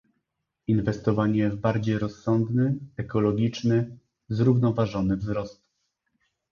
inwestowanie w bardziej rozsądny, ekologiczny, zrównoważony wzrost